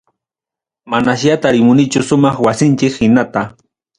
Manasya tarimunichu sumaq wasinchik hinata.